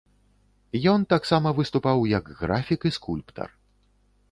Ён таксама выступаў, як графік і скульптар.